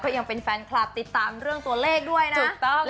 เขายังเป็นแฟนคลับติดตามเรื่องตัวเลขด้วยนะ